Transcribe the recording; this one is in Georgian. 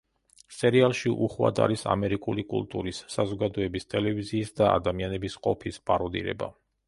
სერიალში უხვად არის ამერიკული კულტურის, საზოგადოების, ტელევიზიის და ადამიანების ყოფის პაროდირება.